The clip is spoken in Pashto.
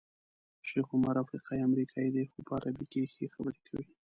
شیخ عمر افریقایی امریکایی دی خو په عربي کې ښې خبرې کوي.